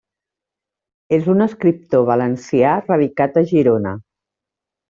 És un escriptor valencià radicat a Girona.